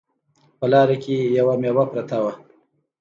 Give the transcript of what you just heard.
په لاره کې یوه میوه پرته وه